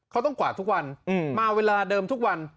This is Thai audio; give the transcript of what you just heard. เขาต้องกวาดทุกวันมาเวลาเดิมทุกวัน